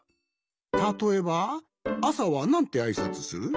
たとえばあさはなんてあいさつする？